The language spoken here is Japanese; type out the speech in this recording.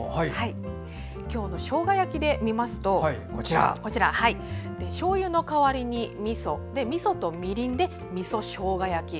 今日のしょうが焼きで見ますとしょうゆの代わりにみそみそとみりんでみそしょうが焼き。